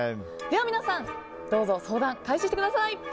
では、皆さんどうぞ相談を開始してください。